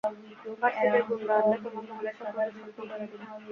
ভার্সিটির গুন্ডা আনলে, তোমার মহলের স্বপ্ন, দুঃস্বপ্ন কইরা দিবে।